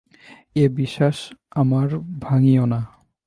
এ বিশ্বাস আমার ভাঙিও না!